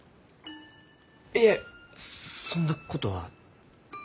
いえそんなことは。